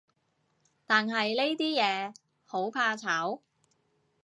但係呢啲嘢，好怕醜